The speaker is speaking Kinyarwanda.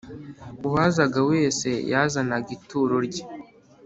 Uwazaga wese yazanaga ituro rye